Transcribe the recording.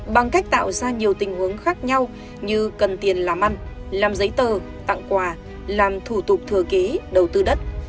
bằng cách tạo ra nhiều tình huống khác nhau như cần tiền làm ăn làm giấy tờ tặng quà làm thủ tục thừa kế đầu tư đất